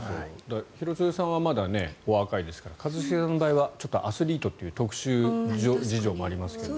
廣津留さんはまだお若いですから一茂さんの場合はちょっとアスリートという特殊事情がありますけど。